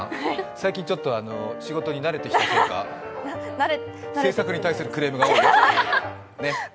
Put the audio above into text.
最近ちょっと仕事に慣れてきたせいか、制作に対するクレームが多い。